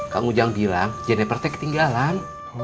kang ujang bilang jennifer tuh ketinggalan